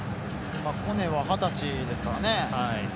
コネは二十歳ですからね。